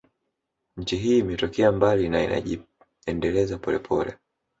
Nchi hii imetoka mbali na inajiendeleza polepole